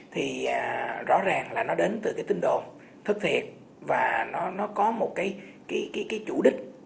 thì rõ ràng là nó đến từ cái tinh đồn thất thiệt và nó có một cái chủ đích